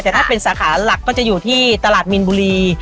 แต่ถ้าเป็นสาขาหลักก็จะอยู่ที่ตลาดมินบุรี